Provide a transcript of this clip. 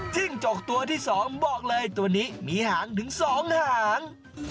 จิ้งจกตัวที่๒บอกเลยตัวนี้มีหางถึง๒หาง